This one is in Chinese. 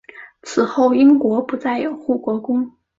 此后英国不再有护国公。